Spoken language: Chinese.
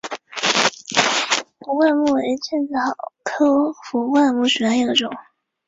是天主教横滨教区的主教座堂。